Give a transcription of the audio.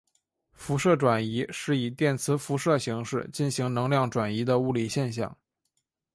辐射转移是以电磁辐射形式进行能量转移的物理现象。